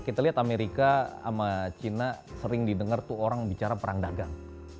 kita lihat amerika sama china sering didengar tuh orang bicara perang dagang